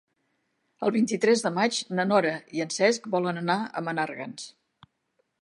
El vint-i-tres de maig na Nora i en Cesc volen anar a Menàrguens.